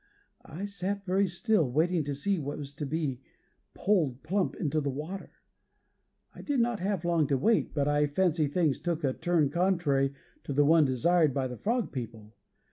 I sat very still, waiting to see what was to be pulled plump into the water. I did not have long to wait, but I fancy things took a turn contrary to the one desired by the frog people.